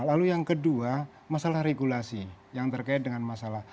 lalu yang kedua masalah regulasi yang terkait dengan masalah